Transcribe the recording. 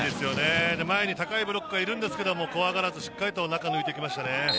前に高いブロックがいるんですけど、怖がらずにしっかりと中を抜いてきましたね。